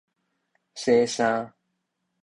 洗衫